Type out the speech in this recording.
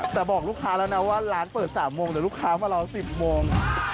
แต่บอกลูกค้าแล้วนะว่าร้านเปิด๓โมงแต่ลูกค้ามารอ๑๐โมง